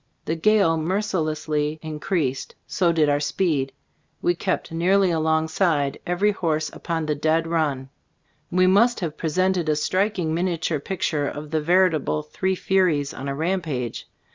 The gale mercilessly in creased; so did our speed. We kept ttbe Storg of t&v Gbilftboob 93 nearly alongside, every horse upon the "dead run." We must have presented a striking miniature picture of the veritable "Three Furies" on a rampage.